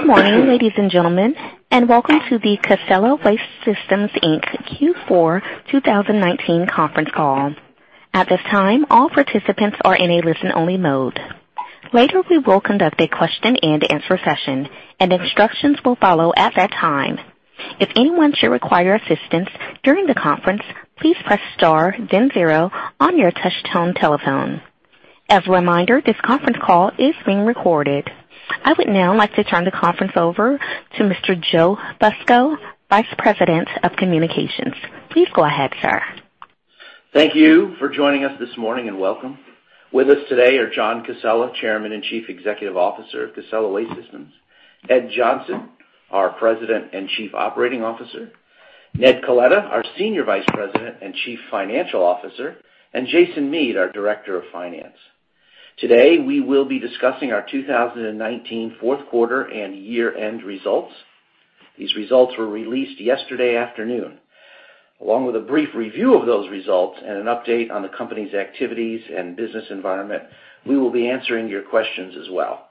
Good morning, ladies and gentlemen, and welcome to the Casella Waste Systems, Inc. Q4 2019 conference call. At this time, all participants are in a listen-only mode. Later, we will conduct a question-and-answer session, and instructions will follow at that time. If anyone should require assistance during the conference, please press star then zero on your touchtone telephone. As a reminder, this conference call is being recorded. I would now like to turn the conference over to Mr. Joseph Fusco, Vice President of Communications. Please go ahead, sir. Thank you for joining us this morning, and welcome. With us today are John Casella, Chairman and Chief Executive Officer of Casella Waste Systems, Ed Johnson, our President and Chief Operating Officer, Ned Coletta, our Senior Vice President and Chief Financial Officer, and Jason Mead, our Director of Finance. Today, we will be discussing our 2019 fourth quarter and year-end results. These results were released yesterday afternoon. Along with a brief review of those results and an update on the company's activities and business environment, we will be answering your questions as well.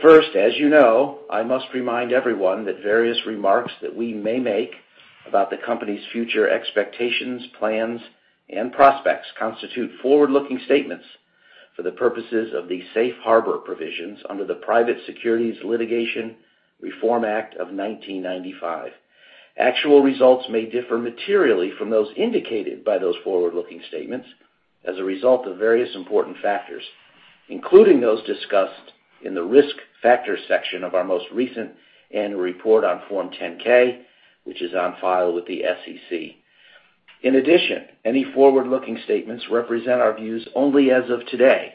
First, as you know, I must remind everyone that various remarks that we may make about the company's future expectations, plans, and prospects constitute forward-looking statements for the purposes of the Safe Harbor provisions under the Private Securities Litigation Reform Act of 1995. Actual results may differ materially from those indicated by those forward-looking statements as a result of various important factors, including those discussed in the Risk Factors section of our most recent annual report on Form 10-K, which is on file with the SEC. In addition, any forward-looking statements represent our views only as of today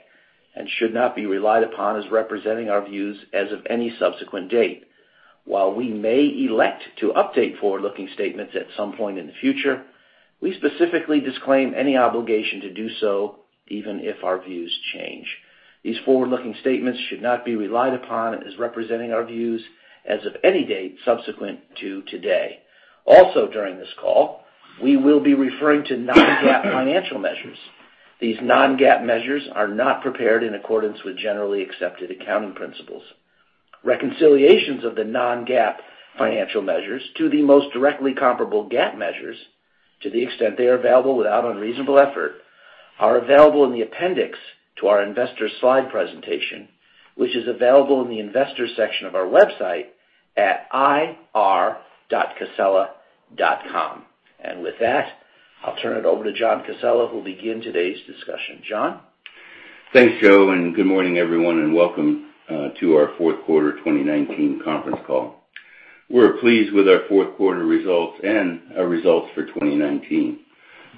and should not be relied upon as representing our views as of any subsequent date. While we may elect to update forward-looking statements at some point in the future, we specifically disclaim any obligation to do so even if our views change. These forward-looking statements should not be relied upon as representing our views as of any date subsequent to today. Also, during this call, we will be referring to non-GAAP financial measures. These non-GAAP measures are not prepared in accordance with generally accepted accounting principles. Reconciliations of the non-GAAP financial measures to the most directly comparable GAAP measures, to the extent they are available without unreasonable effort, are available in the appendix to our investor slide presentation, which is available in the Investors section of our website at ir.casella.com. With that, I'll turn it over to John Casella, who'll begin today's discussion. John? Thanks, Joe, good morning, everyone, and welcome to our fourth quarter 2019 conference call. We're pleased with our fourth quarter results and our results for 2019.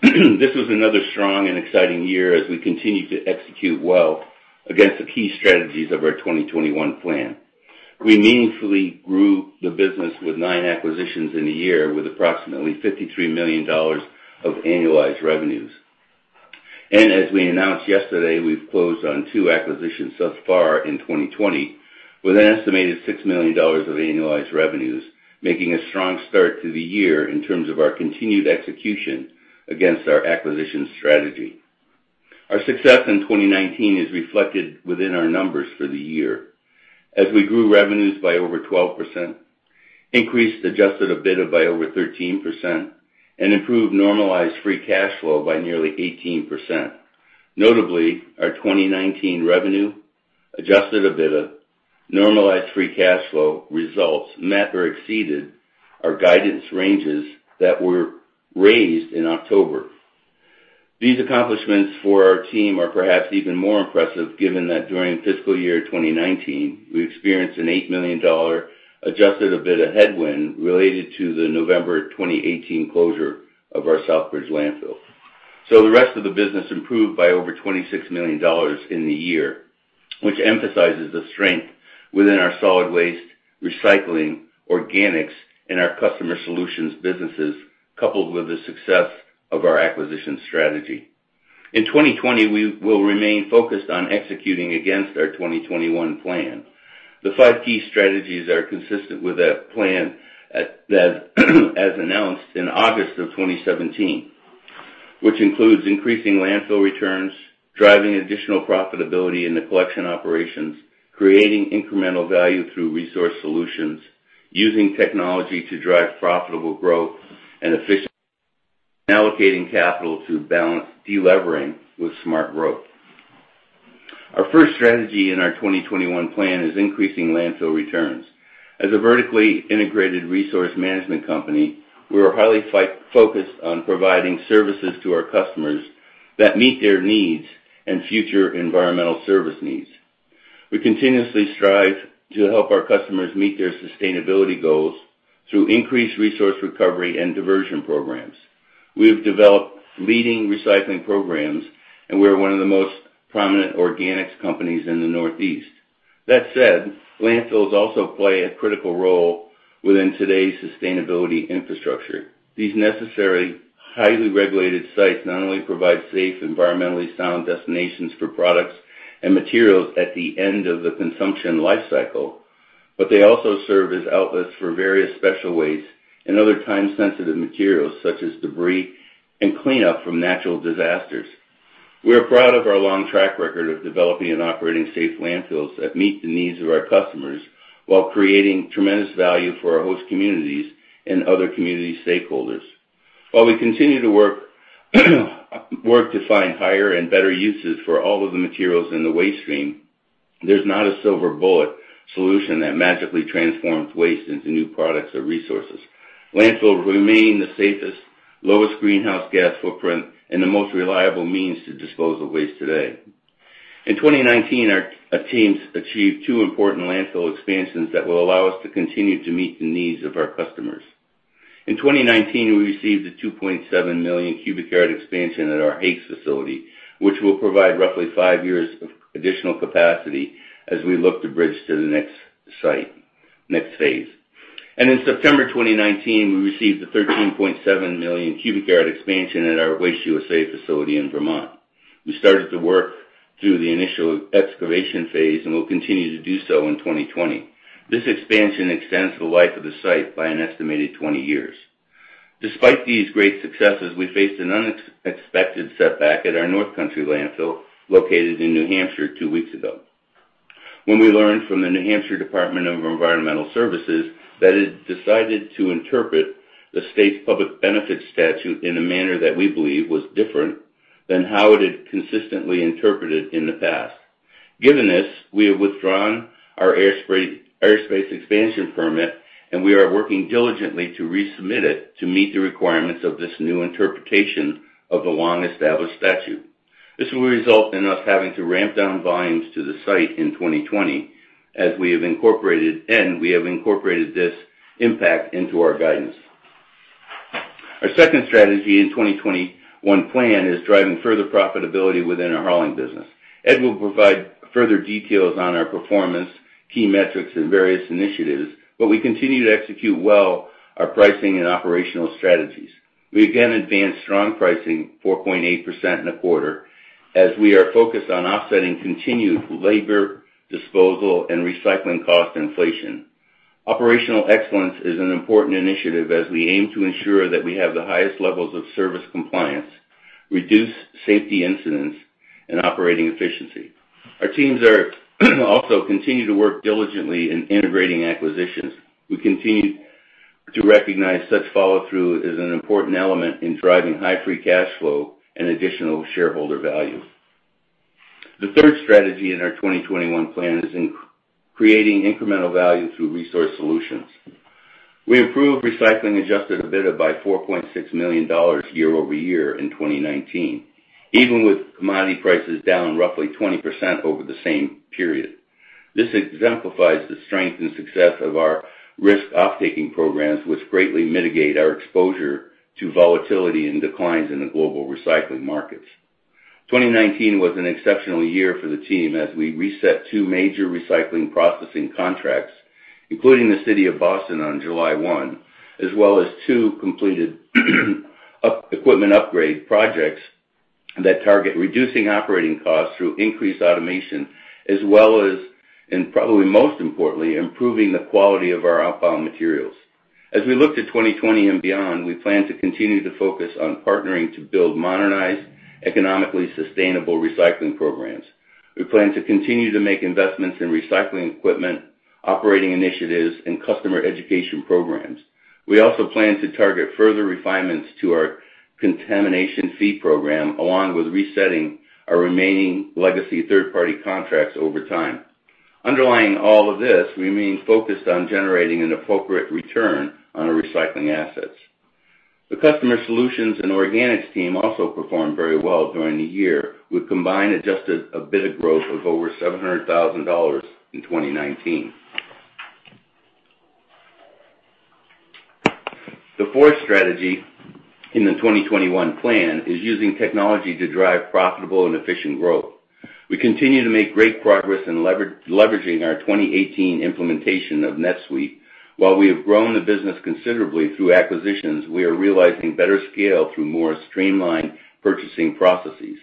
This was another strong and exciting year as we continue to execute well against the key strategies of our 2021 plan. We meaningfully grew the business with nine acquisitions in the year, with approximately $53 million of annualized revenues. As we announced yesterday, we've closed on two acquisitions so far in 2020 with an estimated $6 million of annualized revenues, making a strong start to the year in terms of our continued execution against our acquisition strategy. Our success in 2019 is reflected within our numbers for the year as we grew revenues by over 12%, increased adjusted EBITDA by over 13%, and improved normalized free cash flow by nearly 18%. Notably, our 2019 revenue, adjusted EBITDA, normalized free cash flow results met or exceeded our guidance ranges that were raised in October. These accomplishments for our team are perhaps even more impressive given that during fiscal year 2019, we experienced an $8 million adjusted EBITDA headwind related to the November 2018 closure of our Southbridge landfill. The rest of the business improved by over $26 million in the year, which emphasizes the strength within our solid waste, recycling, organics, and our customer solutions businesses, coupled with the success of our acquisition strategy. In 2020, we will remain focused on executing against our 2021 plan. The five key strategies are consistent with that plan as announced in August of 2017, which includes increasing landfill returns, driving additional profitability in the collection operations, creating incremental value through resource solutions, using technology to drive profitable growth and efficient allocating capital to balance de-levering with smart growth. Our first strategy in our 2021 plan is increasing landfill returns. As a vertically integrated resource management company, we are highly focused on providing services to our customers that meet their needs and future environmental service needs. We continuously strive to help our customers meet their sustainability goals through increased resource recovery and diversion programs. We have developed leading recycling programs, and we are one of the most prominent organics companies in the Northeast. That said, landfills also play a critical role within today's sustainability infrastructure. These necessary, highly regulated sites not only provide safe, environmentally sound destinations for products and materials at the end of the consumption life cycle, but they also serve as outlets for various special waste and other time-sensitive materials, such as debris and cleanup from natural disasters. We are proud of our long track record of developing and operating safe landfills that meet the needs of our customers while creating tremendous value for our host communities and other community stakeholders. While we continue to work to find higher and better uses for all of the materials in the waste stream, there's not a silver bullet solution that magically transforms waste into new products or resources. Landfills remain the safest, lowest greenhouse gas footprint, and the most reliable means to dispose of waste today. In 2019, our teams achieved two important landfill expansions that will allow us to continue to meet the needs of our customers. In 2019, we received a 2.7 million cubic yard expansion at our Hakes facility, which will provide roughly five years of additional capacity as we look to bridge to the next phase. In September 2019, we received a 13.7 million cubic yard expansion at our Waste USA facility in Vermont. We started to work through the initial excavation phase and will continue to do so in 2020. This expansion extends the life of the site by an estimated 20 years. Despite these great successes, we faced an unexpected setback at our North Country landfill, located in New Hampshire, two weeks ago, when we learned from the New Hampshire Department of Environmental Services that it decided to interpret the state's public benefits statute in a manner that we believe was different than how it had consistently interpreted in the past. Given this, we have withdrawn our airspace expansion permit, and we are working diligently to resubmit it to meet the requirements of this new interpretation of the long-established statute. This will result in us having to ramp down volumes to the site in 2020, and we have incorporated this impact into our guidance. Our second strategy in 2021 plan is driving further profitability within our hauling business. Ed will provide further details on our performance, key metrics, and various initiatives, but we continue to execute well our pricing and operational strategies. We again advanced strong pricing, 4.8% in a quarter, as we are focused on offsetting continued labor, disposal, and recycling cost inflation. Operational excellence is an important initiative as we aim to ensure that we have the highest levels of service compliance, reduce safety incidents, and operating efficiency. Our teams also continue to work diligently in integrating acquisitions. We continue to recognize such follow-through as an important element in driving high free cash flow and additional shareholder value. The third strategy in our 2021 plan is in creating incremental value through resource solutions. We improved recycling adjusted EBITDA by $4.6 million year-over-year in 2019, even with commodity prices down roughly 20% over the same period. This exemplifies the strength and success of our risk off-taking programs, which greatly mitigate our exposure to volatility and declines in the global recycling markets. 2019 was an exceptional year for the team as we reset two major recycling processing contracts, including the City of Boston on July 1, as well as two completed equipment upgrade projects that target reducing operating costs through increased automation as well as, and probably most importantly, improving the quality of our outbound materials. As we look to 2020 and beyond, we plan to continue to focus on partnering to build modernized, economically sustainable recycling programs. We plan to continue to make investments in recycling equipment, operating initiatives, and customer education programs. We also plan to target further refinements to our contamination fee program, along with resetting our remaining legacy third-party contracts over time. Underlying all of this, we remain focused on generating an appropriate return on our recycling assets. The customer solutions and organics team also performed very well during the year with combined adjusted EBITDA growth of over $700,000 in 2019. The fourth strategy in the 2021 plan is using technology to drive profitable and efficient growth. We continue to make great progress in leveraging our 2018 implementation of NetSuite. While we have grown the business considerably through acquisitions, we are realizing better scale through more streamlined purchasing processes.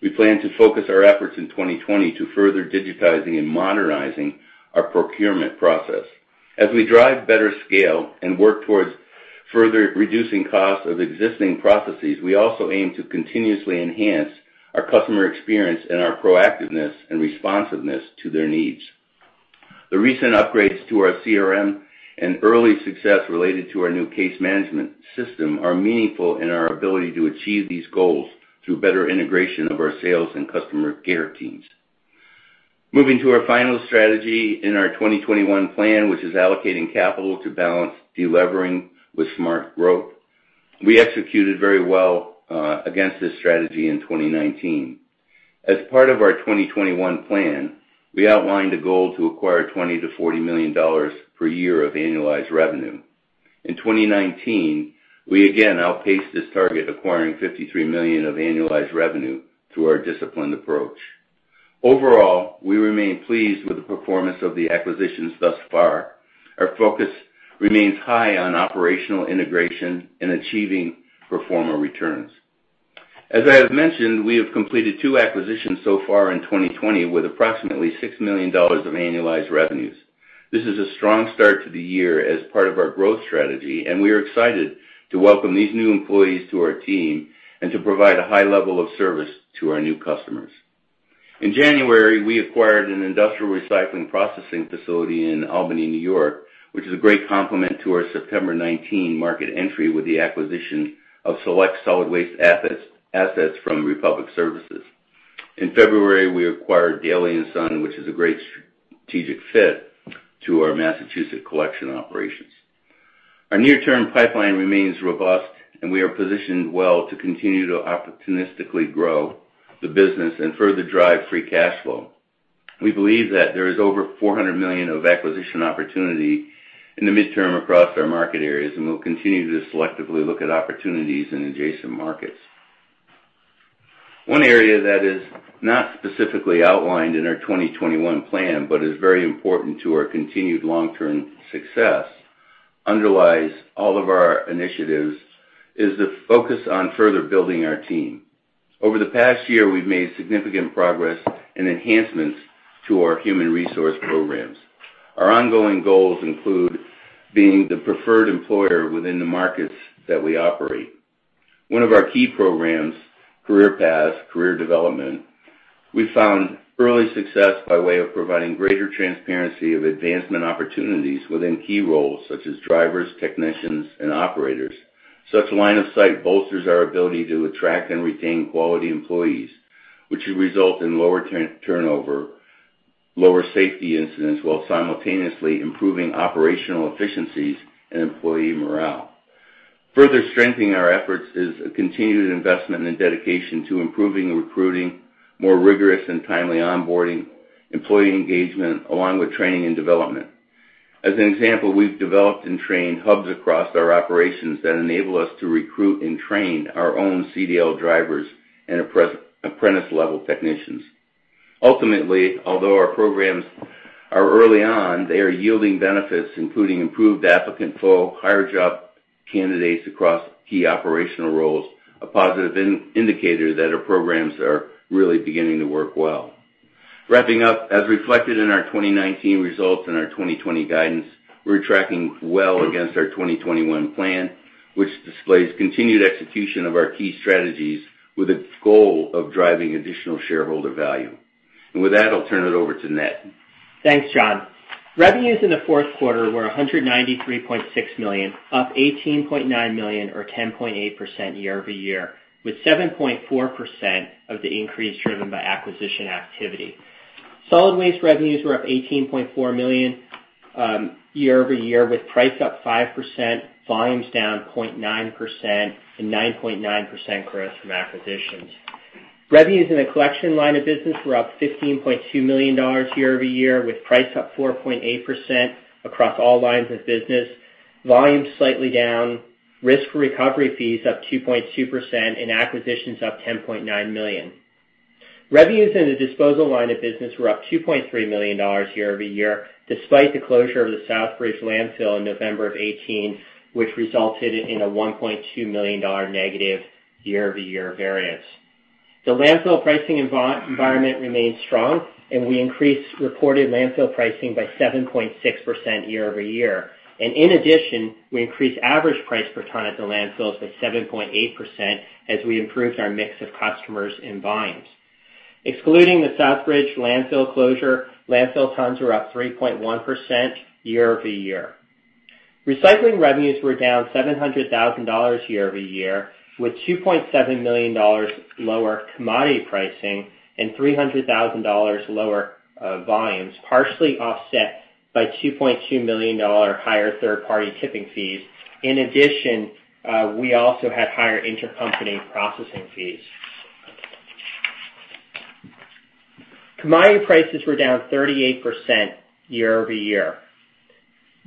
We plan to focus our efforts in 2020 to further digitizing and modernizing our procurement process. As we drive better scale and work towards further reducing costs of existing processes, we also aim to continuously enhance our customer experience and our proactiveness and responsiveness to their needs. The recent upgrades to our CRM and early success related to our new case management system are meaningful in our ability to achieve these goals through better integration of our sales and customer care teams. Moving to our final strategy in our 2021 plan, which is allocating capital to balance de-levering with smart growth. We executed very well against this strategy in 2019. As part of our 2021 plan, we outlined a goal to acquire $20 million-$40 million per year of annualized revenue. In 2019, we again outpaced this target, acquiring $53 million of annualized revenue through our disciplined approach. Overall, we remain pleased with the performance of the acquisitions thus far. Our focus remains high on operational integration and achieving pro forma returns. As I have mentioned, we have completed two acquisitions so far in 2020 with approximately $6 million of annualized revenues. This is a strong start to the year as part of our growth strategy, and we are excited to welcome these new employees to our team and to provide a high level of service to our new customers. In January, we acquired an industrial recycling processing facility in Albany, N.Y., which is a great complement to our September 19 market entry with the acquisition of select solid waste assets from Republic Services. In February, we acquired Daly & Son, which is a great strategic fit to our Massachusetts collection operations. Our near-term pipeline remains robust, and we are positioned well to continue to opportunistically grow the business and further drive free cash flow. We believe that there is over $400 million of acquisition opportunity in the midterm across our market areas, and we'll continue to selectively look at opportunities in adjacent markets. One area that is not specifically outlined in our 2021 plan, but is very important to our continued long-term success, underlies all of our initiatives, is the focus on further building our team. Over the past year, we've made significant progress and enhancements to our human resource programs. Our ongoing goals include being the preferred employer within the markets that we operate. One of our key programs, Career Path, Career Development, we found early success by way of providing greater transparency of advancement opportunities within key roles such as drivers, technicians, and operators. Such line of sight bolsters our ability to attract and retain quality employees, which would result in lower turnover, lower safety incidents while simultaneously improving operational efficiencies and employee morale. Further strengthening our efforts is a continued investment and dedication to improving recruiting, more rigorous and timely onboarding, employee engagement, along with training and development. As an example, we've developed and trained hubs across our operations that enable us to recruit and train our own CDL drivers and apprentice-level technicians. Ultimately, although our programs are early on, they are yielding benefits, including improved applicant flow, higher job candidates across key operational roles, a positive indicator that our programs are really beginning to work well. Wrapping up, as reflected in our 2019 results and our 2020 guidance, we're tracking well against our 2021 plan, which displays continued execution of our key strategies with its goal of driving additional shareholder value. With that, I'll turn it over to Ned. Thanks, John. Revenues in the fourth quarter were $193.6 million, up $18.9 million or 10.8% year-over-year, with 7.4% of the increase driven by acquisition activity. Solid waste revenues were up $18.4 million year-over-year, with price up 5%, volumes down 0.9%, and 9.9% growth from acquisitions. Revenues in the collection line of business were up $15.2 million year-over-year, with price up 4.8% across all lines of business, volumes slightly down, risk recovery fees up 2.2%, and acquisitions up $10.9 million. Revenues in the disposal line of business were up $2.3 million year-over-year, despite the closure of the Southbridge landfill in November of 2018, which resulted in a $1.2 million negative year-over-year variance. The landfill pricing environment remains strong, we increased reported landfill pricing by 7.6% year-over-year. In addition, we increased average price per ton at the landfills by 7.8% as we improved our mix of customers and volumes. Excluding the Southbridge landfill closure, landfill tons were up 3.1% year-over-year. Recycling revenues were down $700,000 year-over-year, with $2.7 million lower commodity pricing and $300,000 lower volumes, partially offset by $2.2 million higher third-party tipping fees. In addition, we also had higher intercompany processing fees. Commodity prices were down 38% year-over-year.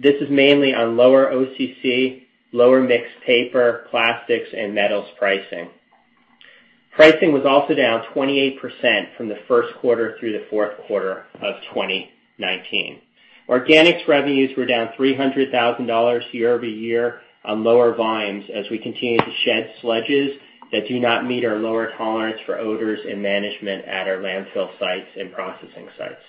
This is mainly on lower OCC, lower mixed paper, plastics, and metals pricing. Pricing was also down 28% from the first quarter through the fourth quarter of 2019. Organics revenues were down $300,000 year-over-year on lower volumes as we continue to shed sludges that do not meet our lower tolerance for odors and management at our landfill sites and processing sites.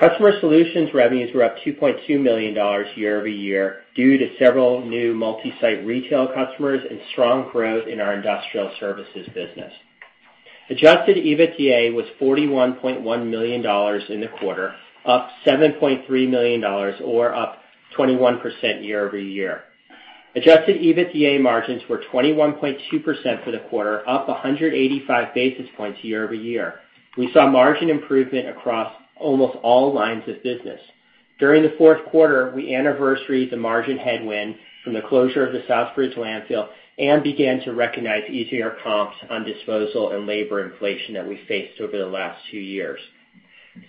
Customer solutions revenues were up $2.2 million year-over-year due to several new multi-site retail customers and strong growth in our industrial services business. Adjusted EBITDA was $41.1 million in the quarter, up $7.3 million or up 21% year-over-year. Adjusted EBITDA margins were 21.2% for the quarter, up 185 basis points year-over-year. We saw margin improvement across almost all lines of business. During the fourth quarter, we anniversaried the margin headwind from the closure of the Southbridge landfill and began to recognize easier comps on disposal and labor inflation that we faced over the last two years.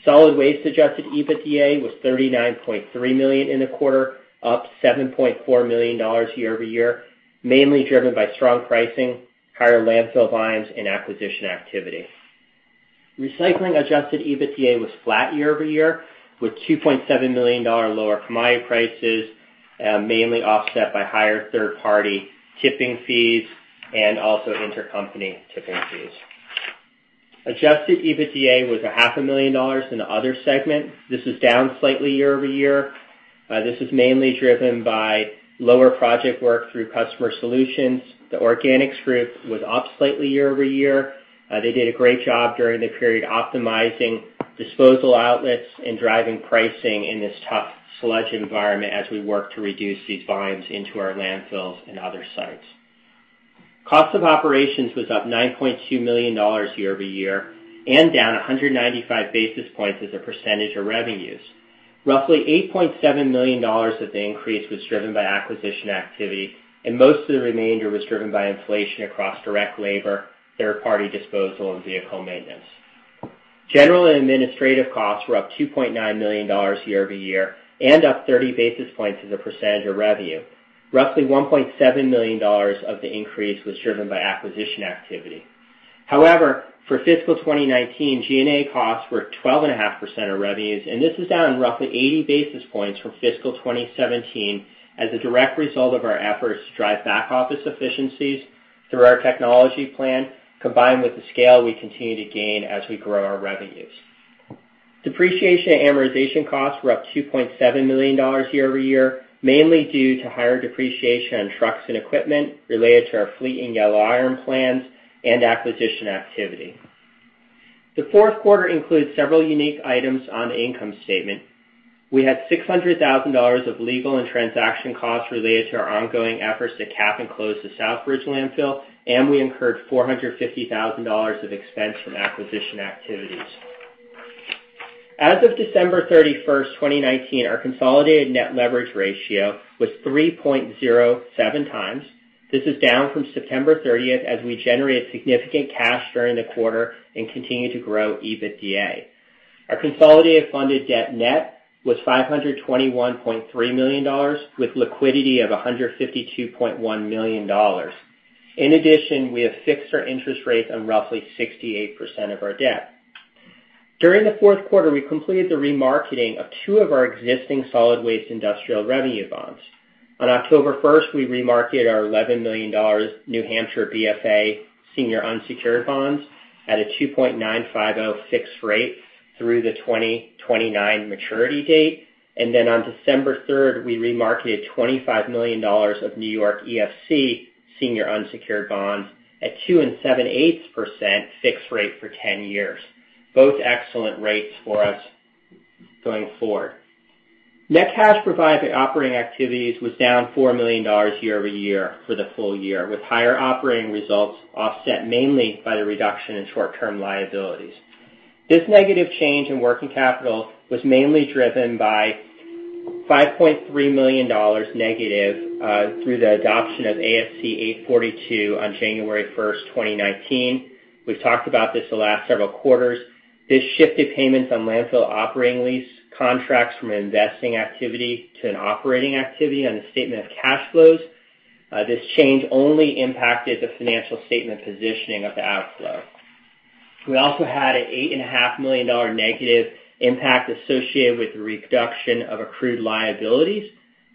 Solid waste adjusted EBITDA was $39.3 million in the quarter, up $7.4 million year-over-year, mainly driven by strong pricing, higher landfill volumes, and acquisition activity. Recycling adjusted EBITDA was flat year-over-year, with $2.7 million lower commodity prices, mainly offset by higher third-party tipping fees and also intercompany tipping fees. Adjusted EBITDA was a half a million dollars in the other segment. This is down slightly year-over-year. This is mainly driven by lower project work through customer solutions. The organics group was up slightly year-over-year. They did a great job during the period optimizing disposal outlets and driving pricing in this tough sludge environment as we work to reduce these volumes into our landfills and other sites. Cost of operations was up $9.2 million year-over-year and down 195 basis points as a percentage of revenues. Roughly $8.7 million of the increase was driven by acquisition activity, most of the remainder was driven by inflation across direct labor, third-party disposal, and vehicle maintenance. General and administrative costs were up $2.9 million year-over-year and up 30 basis points as a percentage of revenue. Roughly $1.7 million of the increase was driven by acquisition activity. However, for fiscal 2019, G&A costs were 12.5% of revenues, and this is down roughly 80 basis points from fiscal 2017 as a direct result of our efforts to drive back office efficiencies through our technology plan, combined with the scale we continue to gain as we grow our revenues. Depreciation and amortization costs were up $2.7 million year-over-year, mainly due to higher depreciation on trucks and equipment related to our fleet and yellow iron plans and acquisition activity. The fourth quarter includes several unique items on the income statement. We had $600,000 of legal and transaction costs related to our ongoing efforts to cap and close the Southbridge landfill, and we incurred $450,000 of expense from acquisition activities. As of December 31st, 2019, our consolidated net leverage ratio was 3.07 times. This is down from September 30th as we generated significant cash during the quarter and continued to grow EBITDA. Our consolidated funded debt net was $521.3 million with liquidity of $152.1 million. In addition, we have fixed our interest rate on roughly 68% of our debt. During the fourth quarter, we completed the remarketing of two of our existing solid waste industrial revenue bonds. On October 1st, we remarketed our $11 million New Hampshire BFA senior unsecured bonds at a 2.950% fixed rate through the 2029 maturity date. On December 3rd, we remarketed $25 million of New York EFC senior unsecured bonds at 2.78% fixed rate for 10 years. Both excellent rates for us going forward. Net cash provided by operating activities was down $4 million year-over-year for the full year, with higher operating results offset mainly by the reduction in short-term liabilities. This negative change in working capital was mainly driven by $5.3 million negative, through the adoption of ASC 842 on January 1st, 2019. We've talked about this the last several quarters. This shifted payments on landfill operating lease contracts from an investing activity to an operating activity on the statement of cash flows. This change only impacted the financial statement positioning of the outflow. We also had an $8.5 million negative impact associated with the reduction of accrued liabilities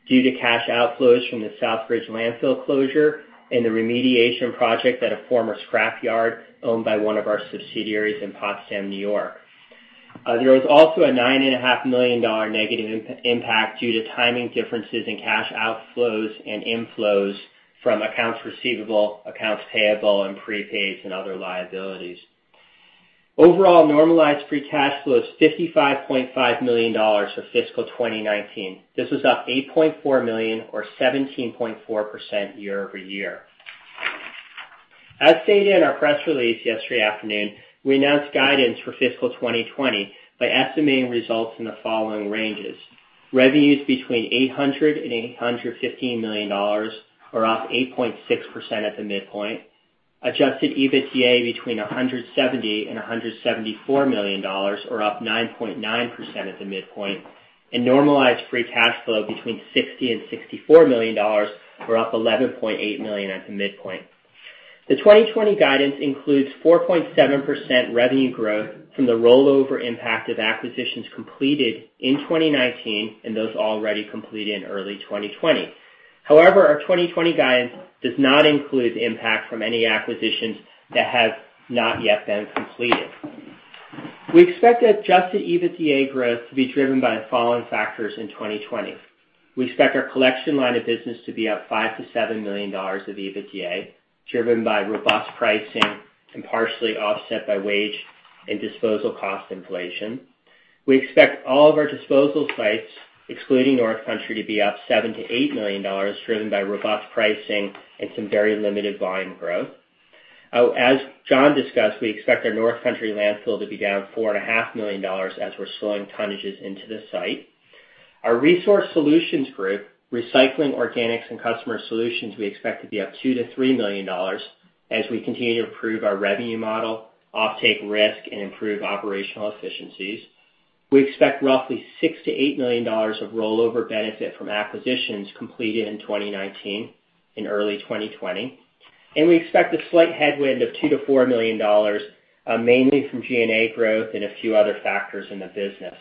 due to cash outflows from the Southbridge landfill closure and the remediation project at a former scrap yard owned by one of our subsidiaries in Potsdam, N.Y. There was also a $9.5 million negative impact due to timing differences in cash outflows and inflows from accounts receivable, accounts payable, and prepaids and other liabilities. Overall, normalized free cash flow is $55.5 million for fiscal 2019. This was up $8.4 million or 17.4% year-over-year. As stated in our press release yesterday afternoon, we announced guidance for fiscal 2020 by estimating results in the following ranges: revenues between $800 million and $815 million, or up 8.6% at the midpoint, adjusted EBITDA between $170 million and $174 million or up 9.9% at the midpoint, and normalized free cash flow between $60 million and $64 million or up $11.8 million at the midpoint. The 2020 guidance includes 4.7% revenue growth from the rollover impact of acquisitions completed in 2019 and those already completed in early 2020. However, our 2020 guidance does not include the impact from any acquisitions that have not yet been completed. We expect adjusted EBITDA growth to be driven by the following factors in 2020. We expect our collection line of business to be up $5 million-$7 million of EBITDA, driven by robust pricing and partially offset by wage and disposal cost inflation. We expect all of our disposal sites, excluding North Country, to be up $7 million-$8 million, driven by robust pricing and some very limited volume growth. As John discussed, we expect our North Country landfill to be down $4.5 million as we're slowing tonnages into the site. Our Resource Solutions Group, Recycling, Organics, and Customer Solutions, we expect to be up $2 million-$3 million as we continue to improve our revenue model, offtake risk, and improve operational efficiencies. We expect roughly $6 million-$8 million of rollover benefit from acquisitions completed in 2019 and early 2020. We expect a slight headwind of $2 million-$4 million, mainly from G&A growth and a few other factors in the business.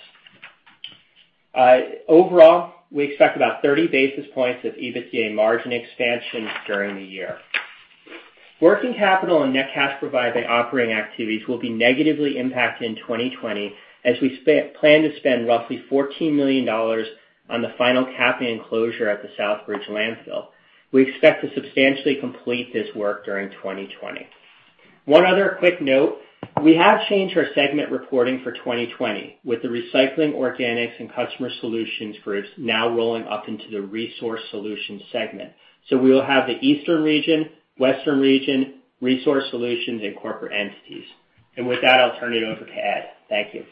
Overall, we expect about 30 basis points of EBITDA margin expansion during the year. Working capital and net cash provided by operating activities will be negatively impacted in 2020 as we plan to spend roughly $14 million on the final capping closure at the Southbridge landfill. We expect to substantially complete this work during 2020. One other quick note, we have changed our segment reporting for 2020, with the recycling, organics, and customer solutions groups now rolling up into the Resource Solutions segment. We will have the Eastern Region, Western Region, Resource Solutions, and Corporate entities. With that, I'll turn it over to Ed. Thank you.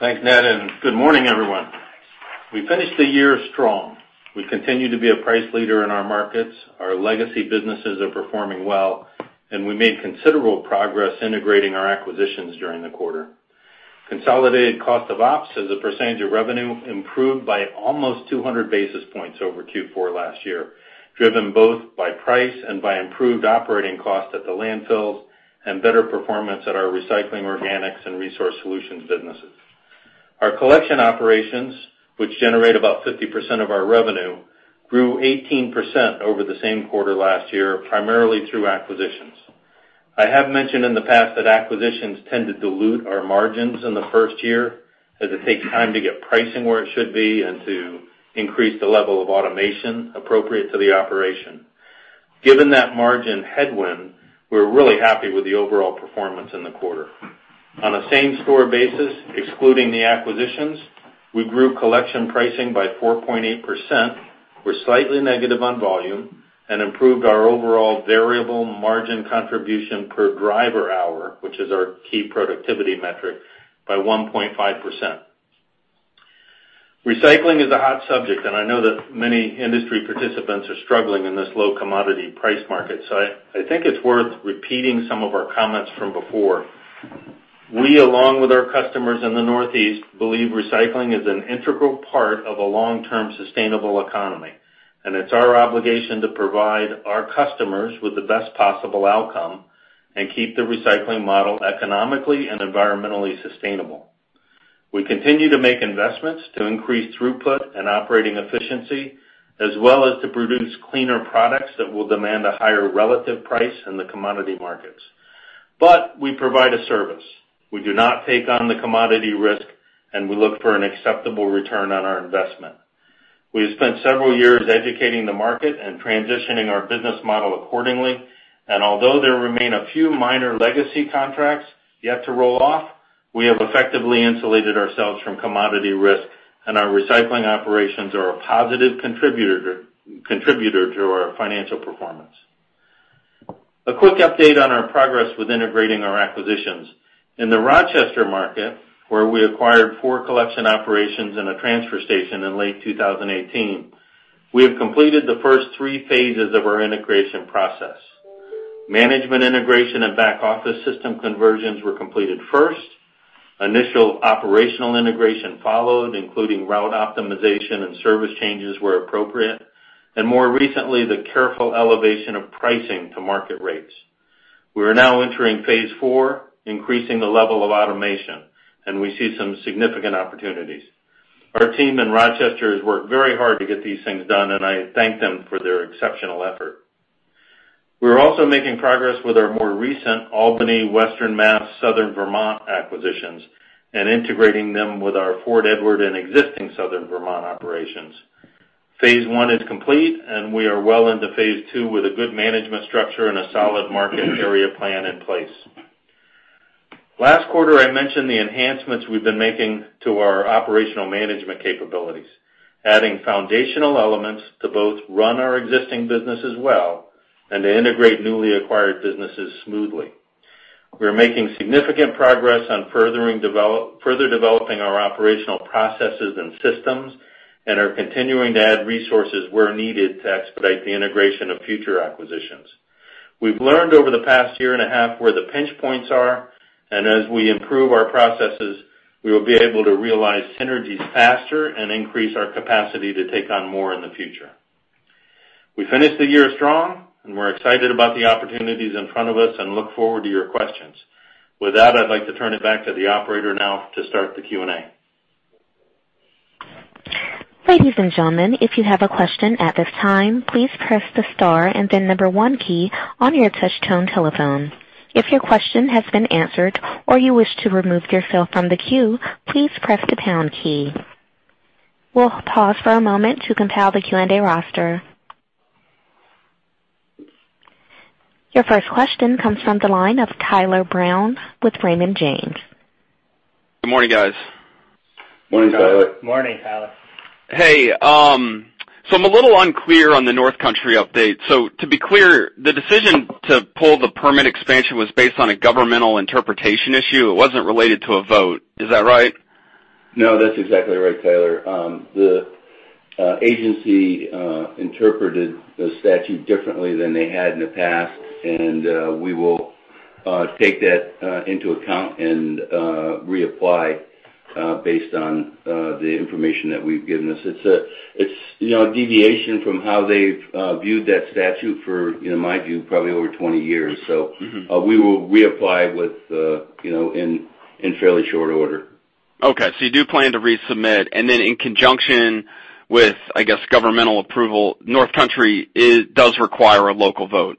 Thanks, Ned, and good morning, everyone. We finished the year strong. We continue to be a price leader in our markets. Our legacy businesses are performing well, and we made considerable progress integrating our acquisitions during the quarter. Consolidated cost of ops as a percentage of revenue improved by almost 200 basis points over Q4 last year, driven both by price and by improved operating costs at the landfills, and better performance at our recycling, organics, and Resource Solutions businesses. Our collection operations, which generate about 50% of our revenue, grew 18% over the same quarter last year, primarily through acquisitions. I have mentioned in the past that acquisitions tend to dilute our margins in the first year, as it takes time to get pricing where it should be and to increase the level of automation appropriate to the operation. Given that margin headwind, we're really happy with the overall performance in the quarter. On a same-store basis, excluding the acquisitions, we grew collection pricing by 4.8%, were slightly negative on volume, and improved our overall variable margin contribution per driver hour, which is our key productivity metric, by 1.5%. Recycling is a hot subject, and I know that many industry participants are struggling in this low commodity price market. I think it's worth repeating some of our comments from before. We, along with our customers in the Northeast, believe recycling is an integral part of a long-term sustainable economy, and it's our obligation to provide our customers with the best possible outcome and keep the recycling model economically and environmentally sustainable. We continue to make investments to increase throughput and operating efficiency, as well as to produce cleaner products that will demand a higher relative price in the commodity markets. We provide a service. We do not take on the commodity risk, and we look for an acceptable return on our investment. We have spent several years educating the market and transitioning our business model accordingly, and although there remain a few minor legacy contracts yet to roll off, we have effectively insulated ourselves from commodity risk, and our recycling operations are a positive contributor to our financial performance. A quick update on our progress with integrating our acquisitions. In the Rochester market, where we acquired four collection operations and a transfer station in late 2018, we have completed the first three phases of our integration process. Management integration and back-office system conversions were completed first, initial operational integration followed, including route optimization and service changes where appropriate, and more recently, the careful elevation of pricing to market rates. We are now entering phase four, increasing the level of automation, We see some significant opportunities. Our team in Rochester has worked very hard to get these things done, and I thank them for their exceptional effort. We are also making progress with our more recent Albany, Western Mass, Southern Vermont acquisitions and integrating them with our Fort Edward and existing Southern Vermont operations. Phase one is complete, We are well into phase two with a good management structure and a solid market area plan in place. Last quarter, I mentioned the enhancements we've been making to our operational management capabilities, adding foundational elements to both run our existing businesses well and to integrate newly acquired businesses smoothly. We are making significant progress on further developing our operational processes and systems and are continuing to add resources where needed to expedite the integration of future acquisitions. We've learned over the past year and a half where the pinch points are, and as we improve our processes, we will be able to realize synergies faster and increase our capacity to take on more in the future. We finished the year strong, and we're excited about the opportunities in front of us and look forward to your questions. With that, I'd like to turn it back to the operator now to start the Q&A. Ladies and gentlemen, if you have a question at this time, please press the star and then number one key on your touch tone telephone. If your question has been answered or you wish to remove yourself from the queue, please press the pound key. We'll pause for a moment to compile the Q&A roster. Your first question comes from the line of Tyler Brown with Raymond James. Good morning, guys. Morning, Tyler. Morning, Tyler. Hey, I'm a little unclear on the North Country update. To be clear, the decision to pull the permit expansion was based on a governmental interpretation issue. It wasn't related to a vote. Is that right? No, that's exactly right, Tyler. The agency interpreted the statute differently than they had in the past, and we will take that into account and reapply based on the information that we've given. It's a deviation from how they've viewed that statute for, in my view, probably over 20 years. We will reapply in fairly short order. Okay, you do plan to resubmit. In conjunction with, I guess, governmental approval, North Country does require a local vote?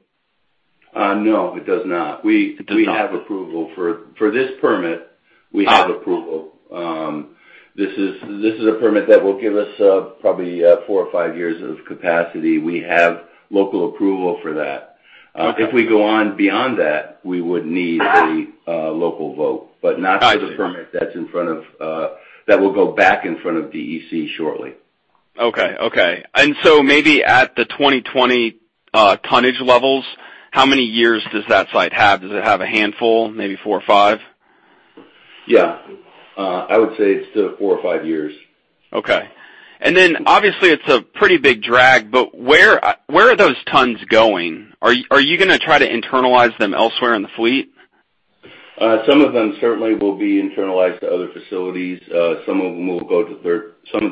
No, it does not. It does not. For this permit, we have approval. This is a permit that will give us probably four or five years of capacity. We have local approval for that. Okay. If we go on beyond that, we would need a local vote, but not for the permit that will go back in front of the DEC shortly. Okay. Maybe at the 2020 tonnage levels, how many years does that site have? Does it have a handful, maybe four or five? Yeah. I would say it's four or five years. Okay. Obviously, it's a pretty big drag, but where are those tons going? Are you going to try to internalize them elsewhere in the fleet? Some of them certainly will be internalized to other facilities. Some of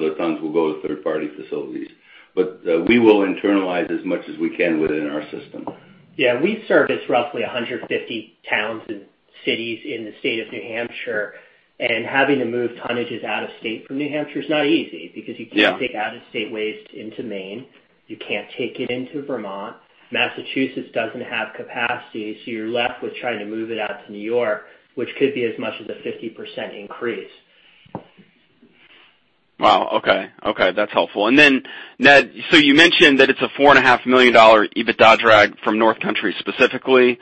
the tons will go to third-party facilities. We will internalize as much as we can within our system. Yeah. We service roughly 150 towns and cities in the state of New Hampshire, and having to move tonnages out of state from New Hampshire is not easy, because you can't take out-of-state waste into Maine, you can't take it into Vermont, Massachusetts doesn't have capacity, so you're left with trying to move it out to New York, which could be as much as a 50% increase. Wow, okay. That's helpful. Ned, you mentioned that it's a $4.5 million EBITDA drag from North Country specifically.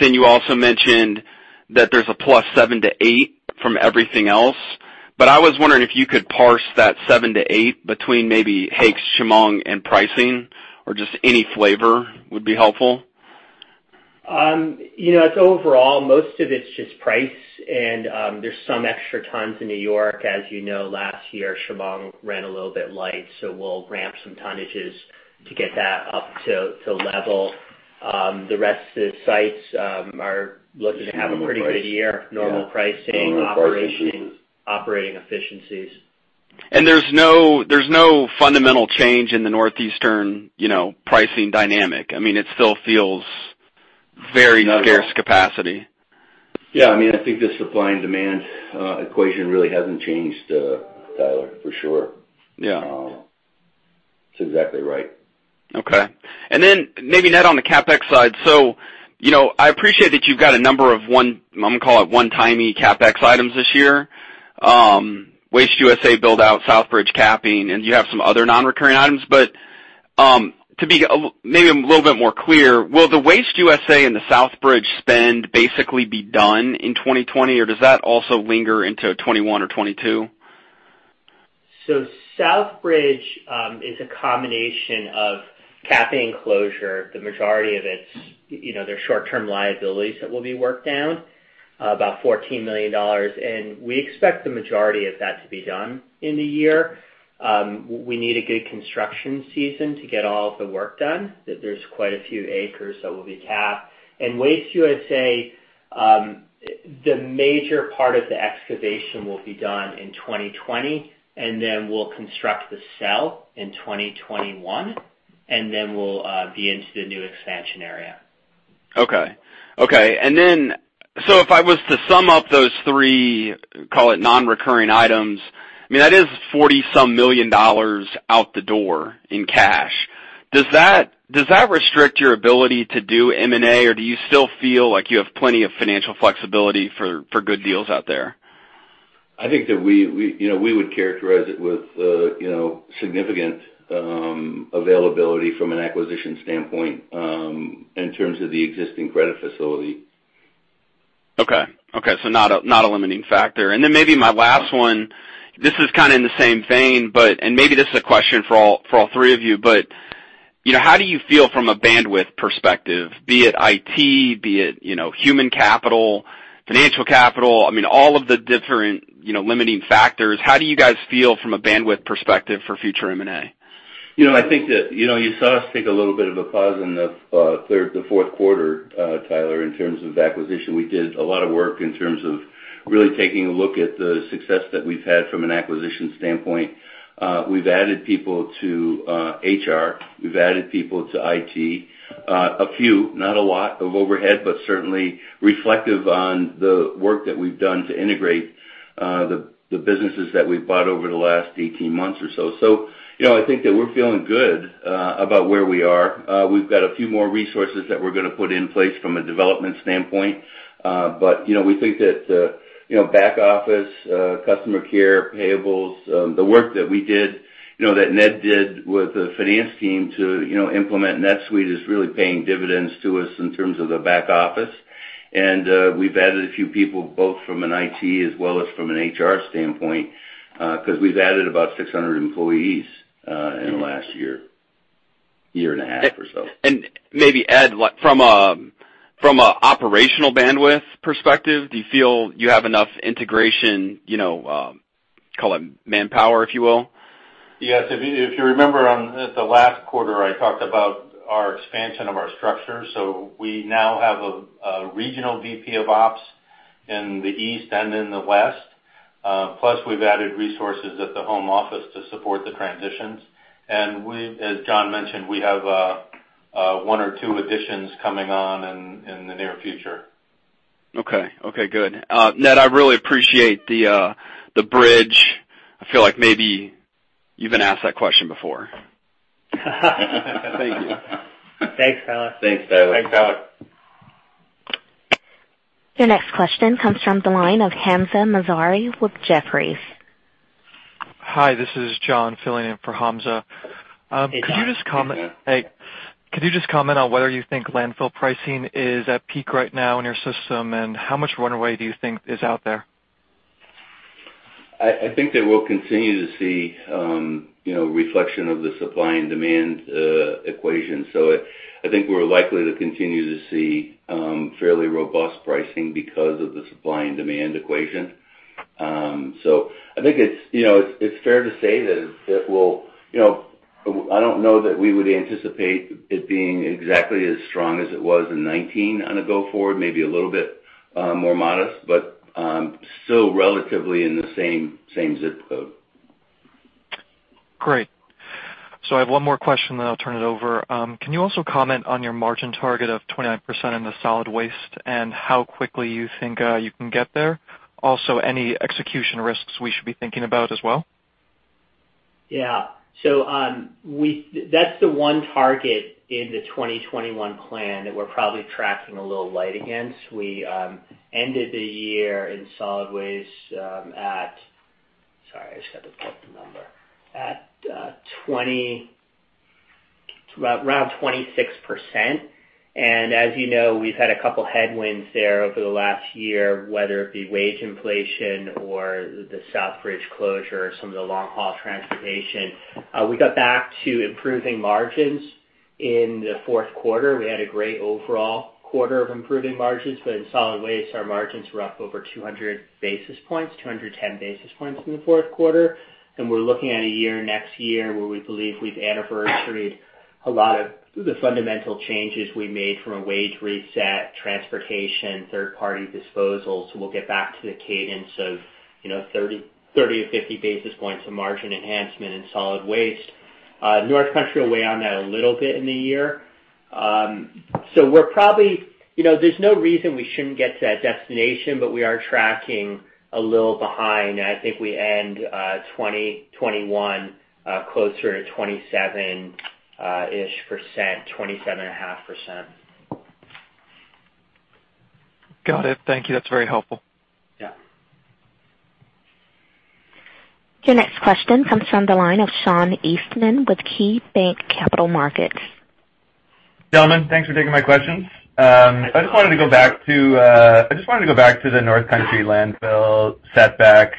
You also mentioned that there's a plus $7 million-$8 million from everything else. I was wondering if you could parse that plus $7 million-$8 million between maybe Hakes, Shamong, and pricing, or just any flavor would be helpful. It's overall, most of it's just price and there's some extra tons in New York. As you know, last year, Shamong ran a little bit light, so we'll ramp some tonnages to get that up to level. The rest of the sites are looking to have a pretty good year. Normal pricing, operating efficiencies. There's no fundamental change in the northeastern pricing dynamic? I mean, it still feels very scarce capacity. Yeah, I think the supply and demand equation really hasn't changed, Tyler, for sure. Yeah. That's exactly right. Okay. Maybe, Ned, on the CapEx side. I appreciate that you've got a number of I'm going to call it one-timey CapEx items this year. Waste USA build-out, Southbridge capping, and you have some other non-recurring items. To be maybe a little bit more clear, will the Waste USA and the Southbridge spend basically be done in 2020, or does that also linger into 2021 or 2022? Southbridge is a combination of capping closure. The majority of it's their short-term liabilities that will be worked down, about $14 million. We expect the majority of that to be done in the year. We need a good construction season to get all of the work done. There's quite a few acres that will be capped. Waste USA, the major part of the excavation will be done in 2020, and then we'll construct the cell in 2021, and then we'll be into the new expansion area. Okay. If I was to sum up those three, call it non-recurring items, I mean, that is $40 some million out the door in cash. Does that restrict your ability to do M&A, or do you still feel like you have plenty of financial flexibility for good deals out there? I think that we would characterize it with significant availability from an acquisition standpoint in terms of the existing credit facility. Not a limiting factor. Maybe my last one, this is kind of in the same vein, and maybe this is a question for all three of you, but how do you feel from a bandwidth perspective, be it IT, be it human capital, financial capital, I mean, all of the different limiting factors, how do you guys feel from a bandwidth perspective for future M&A? I think that you saw us take a little bit of a pause in the fourth quarter, Tyler, in terms of acquisition. We did a lot of work in terms of really taking a look at the success that we've had from an acquisition standpoint. We've added people to HR, we've added people to IT. A few, not a lot of overhead, but certainly reflective on the work that we've done to integrate the businesses that we've bought over the last 18 months or so. I think that we're feeling good about where we are. We've got a few more resources that we're going to put in place from a development standpoint. We think that back office, customer care, payables, the work that Ned did with the finance team to implement NetSuite is really paying dividends to us in terms of the back office. We've added a few people, both from an IT as well as from an HR standpoint, because we've added about 600 employees in the last year and a half or so. Maybe, Ed, from a operational bandwidth perspective, do you feel you have enough integration, call it manpower, if you will? Yes. If you remember at the last quarter, I talked about our expansion of our structure. We now have a regional VP of ops in the East and in the West, plus we've added resources at the home office to support the transitions. As John mentioned, we have. One or two additions coming on in the near future. Okay, good. Ned, I really appreciate the bridge. I feel like maybe you've been asked that question before. Thank you. Thanks, Tyler. Thanks, Tyler. Thanks, Tyler. Your next question comes from the line of Hamzah Mazari with Jefferies. Hi, this is John filling in for Hamzah. Hey, John. Hey. Could you just comment on whether you think landfill pricing is at peak right now in your system, and how much runway do you think is out there? I think that we'll continue to see a reflection of the supply and demand equation. I think we're likely to continue to see fairly robust pricing because of the supply and demand equation. I think it's fair to say that it will. I don't know that we would anticipate it being exactly as strong as it was in 2019 on a go-forward, maybe a little bit more modest, but still relatively in the same zip code. Great. I have one more question, then I'll turn it over. Can you also comment on your margin target of 29% in the solid waste and how quickly you think you can get there? Any execution risks we should be thinking about as well? That's the one target in the 2021 plan that we're probably tracking a little light against. We ended the year in solid waste at Sorry, I just got to pull up the number. At around 26%. As you know, we've had a couple headwinds there over the last year, whether it be wage inflation or the Southbridge closure, some of the long-haul transportation. We got back to improving margins in the fourth quarter. We had a great overall quarter of improving margins, in solid waste, our margins were up over 200 basis points, 210 basis points in the fourth quarter. We're looking at a year next year where we believe we've anniversaried a lot of the fundamental changes we made from a wage reset, transportation, third-party disposals. We'll get back to the cadence of 30-50 basis points of margin enhancement in solid waste. North Country will weigh on that a little bit in the year. There's no reason we shouldn't get to that destination, but we are tracking a little behind. I think we end 2021 closer to 27%, 27.5%. Got it. Thank you. That's very helpful. Yeah. Your next question comes from the line of Sean Eastman with KeyBanc Capital Markets. Gentlemen, thanks for taking my questions. I just wanted to go back to the North Country landfill setback.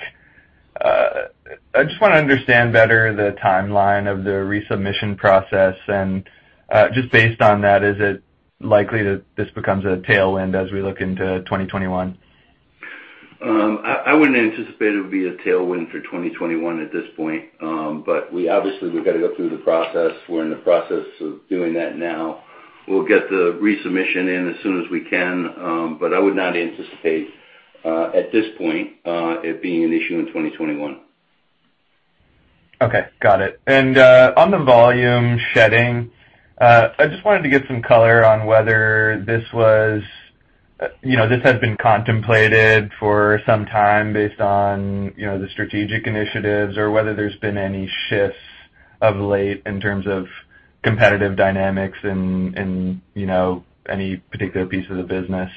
I just want to understand better the timeline of the resubmission process and just based on that, is it likely that this becomes a tailwind as we look into 2021? I wouldn't anticipate it would be a tailwind for 2021 at this point. Obviously, we've got to go through the process. We're in the process of doing that now. We'll get the resubmission in as soon as we can. I would not anticipate, at this point, it being an issue in 2021. Okay, got it. On the volume shedding, I just wanted to get some color on whether this had been contemplated for some time based on the strategic initiatives or whether there's been any shifts of late in terms of competitive dynamics in any particular piece of the business.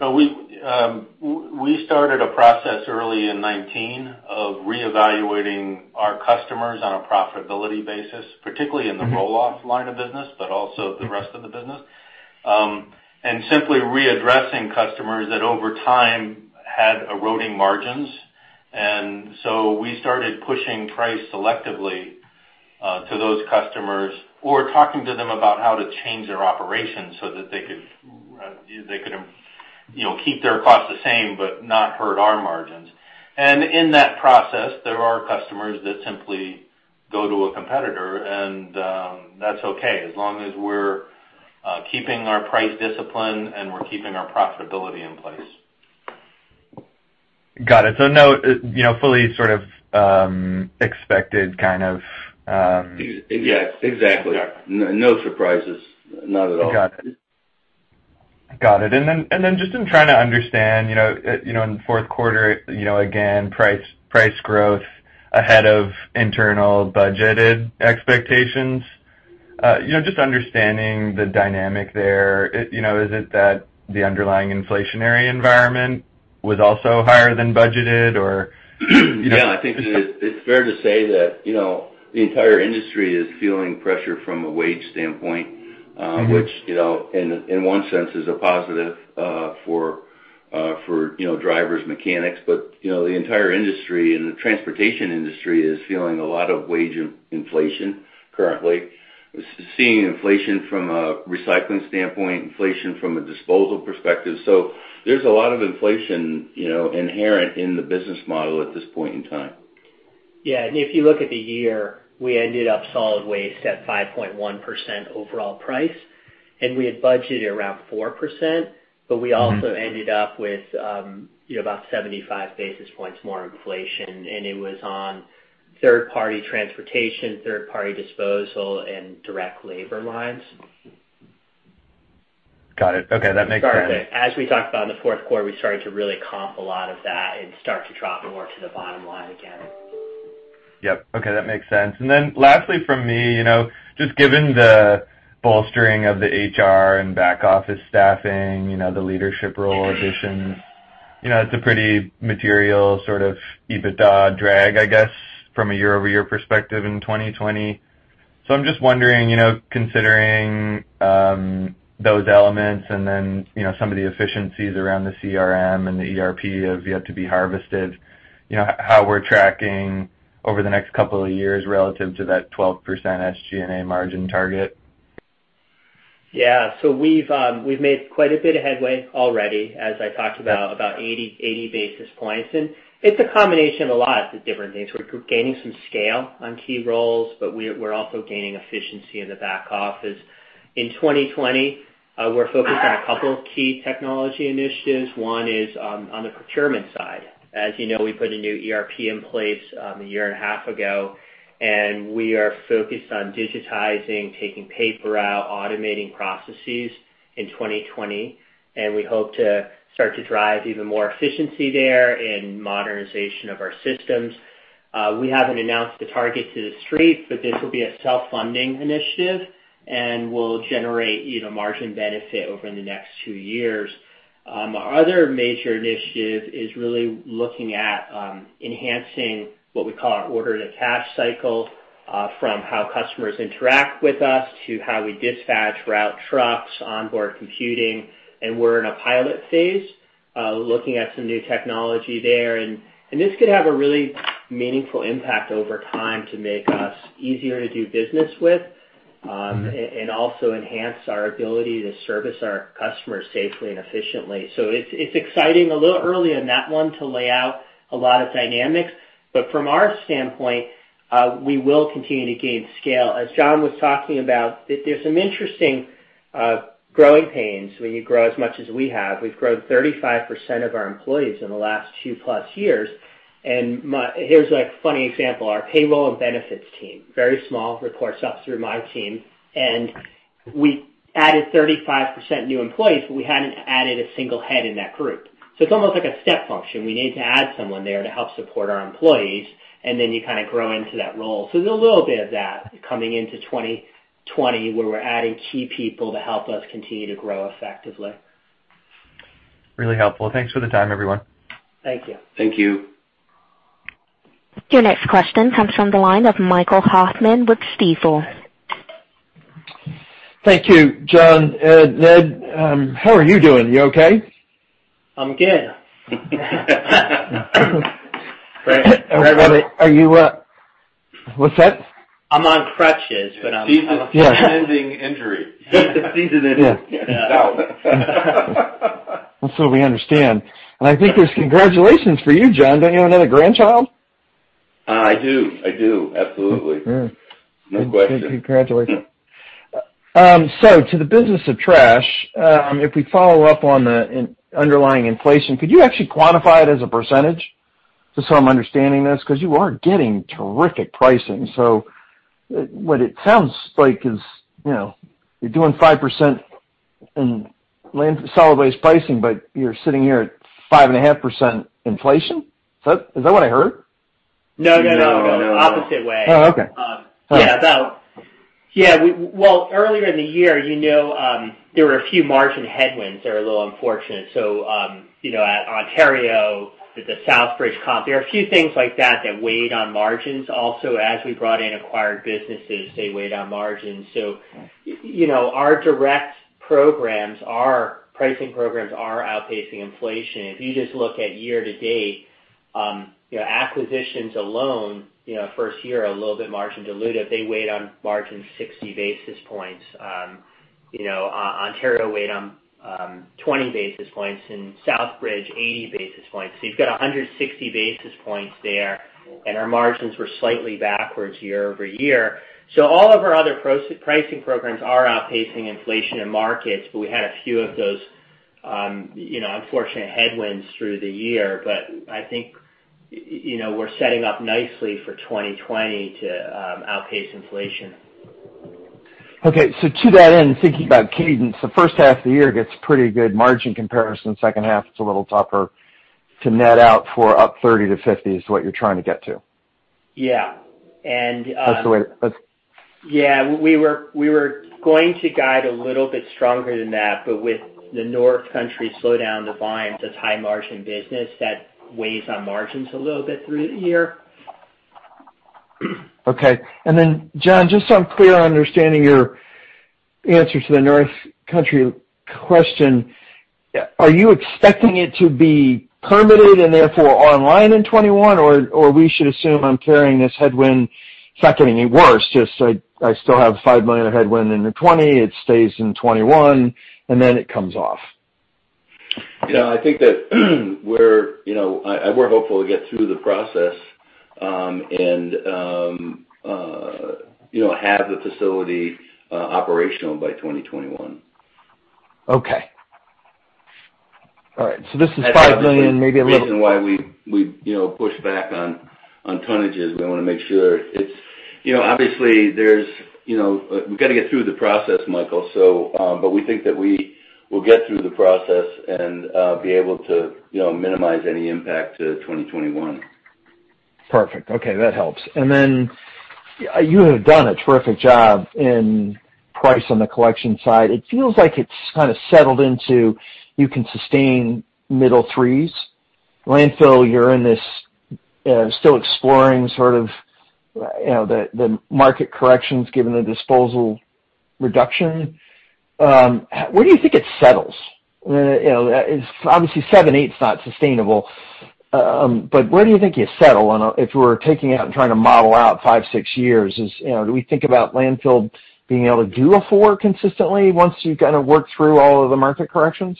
We started a process early in 2019 of reevaluating our customers on a profitability basis, particularly in the roll-off line of business, but also the rest of the business. Simply readdressing customers that over time had eroding margins. We started pushing price selectively to those customers or talking to them about how to change their operations so that they could keep their costs the same but not hurt our margins. In that process, there are customers that simply go to a competitor, and that's okay as long as we're keeping our price discipline and we're keeping our profitability in place. Got it. fully sort of expected. Yes, exactly. No surprises. Not at all. Got it. Just in trying to understand, in the fourth quarter, again, price growth ahead of internal budgeted expectations, just understanding the dynamic there, is it that the underlying inflationary environment was also higher than budgeted or? Yeah, I think it's fair to say that the entire industry is feeling pressure from a wage standpoint, which, in one sense, is a positive for drivers, mechanics. The entire industry and the transportation industry is feeling a lot of wage inflation currently. Seeing inflation from a recycling standpoint, inflation from a disposal perspective. There's a lot of inflation inherent in the business model at this point in time. Yeah, if you look at the year, we ended up solid waste at 5.1% overall price. We had budgeted around 4%, but we also ended up with about 75 basis points more inflation, and it was on third-party transportation, third-party disposal, and direct labor lines. Got it. Okay. That makes sense. As we talked about in the fourth quarter, we started to really comp a lot of that and start to drop more to the bottom line again. Yep. Okay. That makes sense. Lastly from me, just given the bolstering of the HR and back office staffing, the leadership role additions, it's a pretty material sort of EBITDA drag, I guess, from a year-over-year perspective in 2020. I'm just wondering, considering those elements and then some of the efficiencies around the CRM and the ERP have yet to be harvested, how we're tracking over the next couple of years relative to that 12% SG&A margin target? Yeah. We've made quite a bit of headway already, as I talked about 80 basis points. It's a combination of a lot of different things. We're gaining some scale on key roles, but we're also gaining efficiency in the back office. In 2020, we're focused on a couple of key technology initiatives. One is on the procurement side. As you know, we put a new ERP in place a year and a half ago, and we are focused on digitizing, taking paper out, automating processes in 2020, and we hope to start to drive even more efficiency there in modernization of our systems. We haven't announced the target to the Street, but this will be a self-funding initiative and will generate margin benefit over the next two years. Our other major initiative is really looking at enhancing what we call our order-to-cash cycle, from how customers interact with us to how we dispatch route trucks, onboard computing. We're in a pilot phase, looking at some new technology there. This could have a really meaningful impact over time to make us easier to do business with, and also enhance our ability to service our customers safely and efficiently. It's exciting. A little early on that one to lay out a lot of dynamics. From our standpoint, we will continue to gain scale. As John was talking about, there's some interesting growing pains when you grow as much as we have. We've grown 35% of our employees in the last 2+ years. Here's a funny example. Our payroll and benefits team, very small, reports up through my team. We added 35% new employees, but we hadn't added a single head in that group. It's almost like a step function. We need to add someone there to help support our employees, and then you kind of grow into that role. There's a little bit of that coming into 2020, where we're adding key people to help us continue to grow effectively. Really helpful. Thanks for the time, everyone. Thank you. Thank you. Your next question comes from the line of Michael Hoffman with Stifel. Thank you, John, Ed, Ned. How are you doing? You okay? I'm good. Are you? What's that? I'm on crutches. Season-ending injury. Season injury. We understand. I think there's congratulations for you, John. Don't you have another grandchild? I do. Absolutely. No question. Congratulations. To the business of trash, if we follow up on the underlying inflation, could you actually quantify it as a percentage? Just so I'm understanding this, because you are getting terrific pricing. What it sounds like is you're doing 5% in solid waste pricing, but you're sitting here at 5.5% inflation. Is that what I heard? No. Opposite way. Oh, okay. Well, earlier in the year, there were a few margin headwinds that were a little unfortunate. At Ontario, with the Southbridge comp, there are a few things like that which weighed on margins. Also, as we brought in acquired businesses, they weighed on margins. Our direct programs, our pricing programs are outpacing inflation. If you just look at year-to-date, acquisitions alone, first year are a little bit margin dilutive. They weighed on margin 60 basis points. Ontario weighed on 20 basis points and Southbridge 80 basis points. You've got 160 basis points there, and our margins were slightly backwards year-over-year. All of our other pricing programs are outpacing inflation in markets, but we had a few of those unfortunate headwinds through the year. I think we're setting up nicely for 2020 to outpace inflation. Okay. To that end, thinking about cadence, the first half of the year gets pretty good margin comparison. Second half, it's a little tougher to net out for up 30%-50% is what you're trying to get to. Yeah. That's the way- Yeah. We were going to guide a little bit stronger than that, with the North Country slowdown volume, that's high-margin business. That weighs on margins a little bit through the year. Okay. John, just so I'm clear on understanding your answer to the North Country question, are you expecting it to be permitted and therefore online in 2021, or we should assume I'm carrying this headwind, it's not getting any worse, just I still have $5 million of headwind into 2020, it stays in 2021, and then it comes off? I think that we're hopeful to get through the process, and have the facility operational by 2021. Okay. All right. This is $5 million. Obviously, the reason why we pushed back on tonnages, Obviously, we've got to get through the process, Michael, but we think that we will get through the process and be able to minimize any impact to 2021. Perfect. Okay. That helps. You have done a terrific job in price on the collection side. It feels like it's kind of settled into, you can sustain middle threes. Landfill, you're in this still exploring sort of the market corrections given the disposal reduction. Where do you think it settles? Obviously, seven, eight is not sustainable. Where do you think you settle if we're taking it out and trying to model out five, six years? Do we think about landfill being able to do a four consistently once you've kind of worked through all of the market corrections?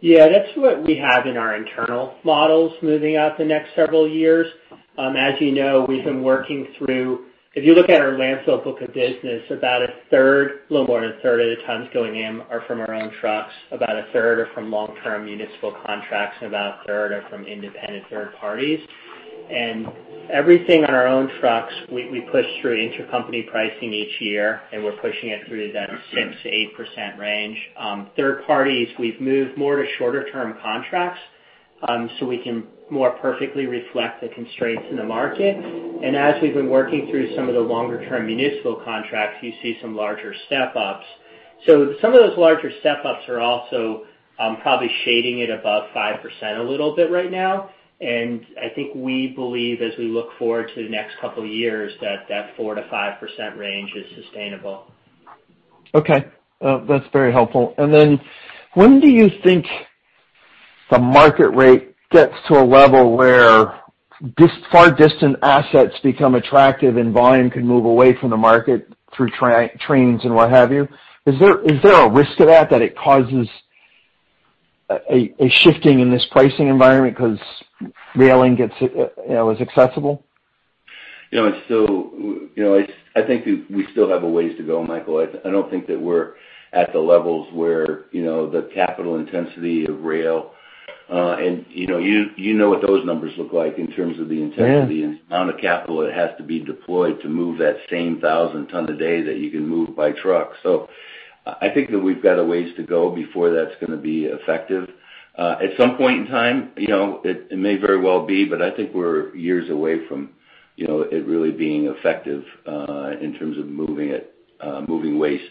Yeah. That's what we have in our internal models moving out the next several years. As you know, we've been working through If you look at our landfill book of business, about a third, a little more than a third of the tons going in are from our own trucks, about a third are from long-term municipal contracts, and about a third are from independent third parties. Everything on our own trucks, we push through intercompany pricing each year, and we're pushing it through that 6%-8% range. Third parties, we've moved more to shorter term contracts, so we can more perfectly reflect the constraints in the market. As we've been working through some of the longer-term municipal contracts, you see some larger step-ups. Some of those larger step-ups are also probably shading it above 5% a little bit right now. I think we believe, as we look forward to the next couple of years, that that 4%-5% range is sustainable. Okay. That's very helpful. When do you think the market rate gets to a level where far distant assets become attractive and volume can move away from the market through trains and what have you? Is there a risk of that it causes a shifting in this pricing environment because railing is accessible? I think that we still have a ways to go, Michael. I don't think that we're at the levels where the capital intensity of rail, and you know what those numbers look like in terms of the intensity. Yeah Amount of capital that has to be deployed to move that same 1,000 ton a day that you can move by truck. I think that we've got a ways to go before that's going to be effective. At some point in time, it may very well be, but I think we're years away from it really being effective in terms of moving waste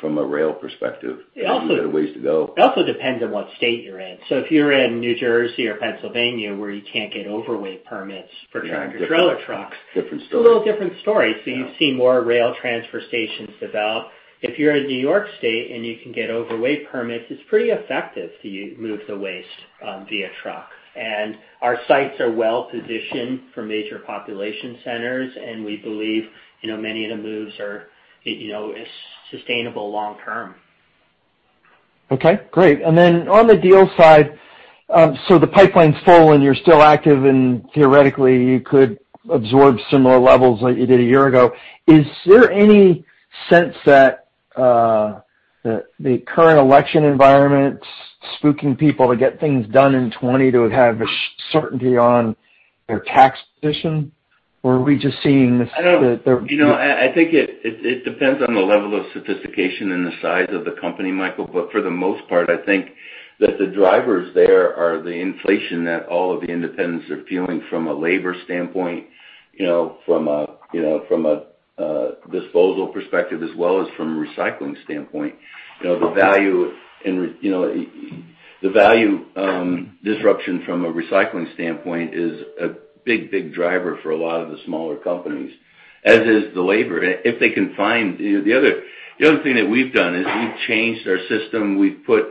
from a rail perspective. It also. We've got a ways to go. It also depends on what state you're in. If you're in New Jersey or Pennsylvania, where you can't get overweight permits for tractor-trailer trucks. Yeah, different story. It's a little different story. Yeah. You see more rail transfer stations develop. If you're in New York State and you can get overweight permits, it's pretty effective to move the waste via truck. Our sites are well-positioned for major population centers, and we believe, many of the moves are sustainable long term. Okay, great. On the deal side, the pipeline's full and you're still active, and theoretically, you could absorb similar levels like you did a year ago. Is there any sense that the current election environment's spooking people to get things done in 2020 to have a certainty on their tax position? Are we just seeing this? I think it depends on the level of sophistication and the size of the company, Michael. For the most part, I think that the drivers there are the inflation that all of the independents are feeling from a labor standpoint, from a disposal perspective, as well as from a recycling standpoint. The value disruption from a recycling standpoint is a big driver for a lot of the smaller companies, as is the labor. The other thing that we've done is we've changed our system. We've put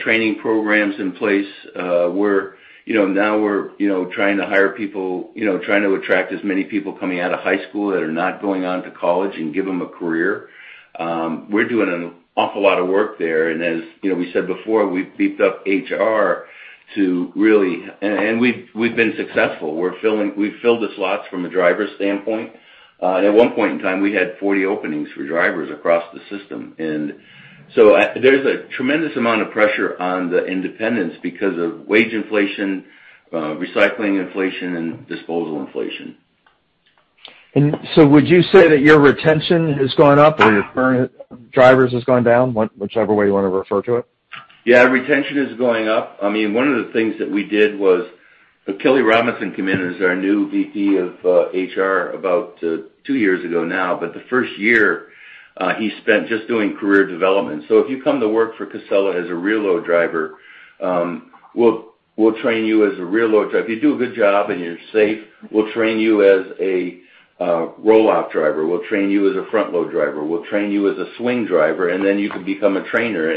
training programs in place where now we're trying to hire people, trying to attract as many people coming out of high school that are not going on to college and give them a career. We're doing an awful lot of work there, as we said before, we've beefed up HR. We've been successful. We've filled the slots from a driver standpoint. At one point in time, we had 40 openings for drivers across the system. There's a tremendous amount of pressure on the independents because of wage inflation, recycling inflation, and disposal inflation. Would you say that your retention has gone up or your current drivers has gone down? Whichever way you want to refer to it. Yeah, retention is going up. One of the things that we did was, Kelley Robinson came in as our new VP of HR about two years ago now. The first year, he spent just doing career development. If you come to work for Casella as a rear load driver, we'll train you as a rear load driver. If you do a good job and you're safe, we'll train you as a roll-off driver. We'll train you as a front load driver. We'll train you as a swing driver, then you can become a trainer.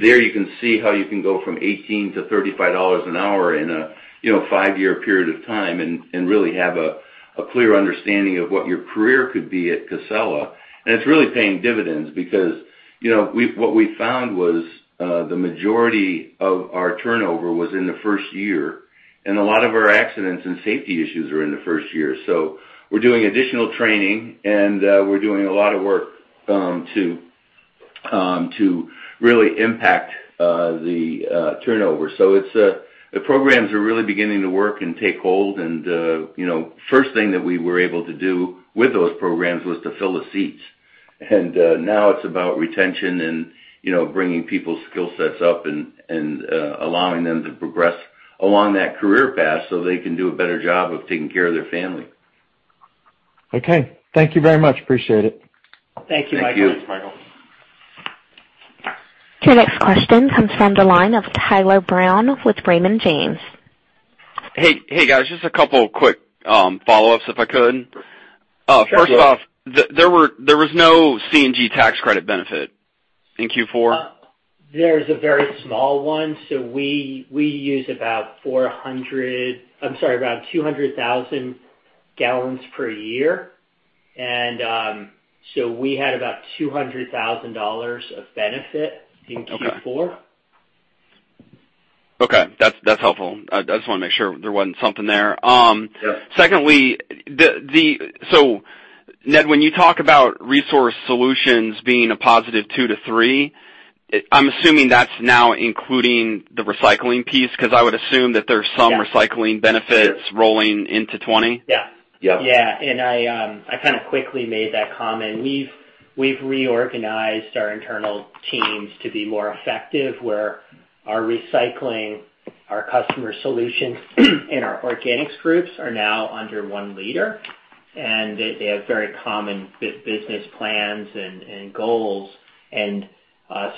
There you can see how you can go from $18-$35 an hour in a five-year period of time and really have a clear understanding of what your career could be at Casella. It's really paying dividends because what we found was the majority of our turnover was in the first year, and a lot of our accidents and safety issues are in the first year. We're doing additional training, and we're doing a lot of work to To really impact the turnover. The programs are really beginning to work and take hold and first thing that we were able to do with those programs was to fill the seats. Now it's about retention and bringing people's skill sets up and allowing them to progress along that Career Path so they can do a better job of taking care of their family. Okay. Thank you very much. Appreciate it. Thank you, Michael. Thanks, Michael. Your next question comes from the line of Tyler Brown with Raymond James. Hey, guys, just a couple of quick follow-ups if I could. First off, there was no CNG tax credit benefit in Q4? There's a very small one. We use about 400 I'm sorry, around 200,000 gallons per year. We had about $200,000 of benefit in Q4. Okay. That's helpful. I just want to make sure there wasn't something there. Yeah. Secondly, Ned, when you talk about resource solutions being a +2% to +3%, I'm assuming that's now including the recycling piece, because I would assume that there's some- Yeah recycling benefits rolling into 2020. Yeah. Yep. I kind of quickly made that comment. We've reorganized our internal teams to be more effective, where our recycling, our customer solutions, and our organics groups are now under one leader, and they have very common business plans and goals.